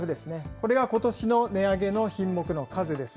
これはことしの値上げの品目の数です。